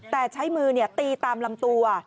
แต่ใช้มือตีตามลำตัว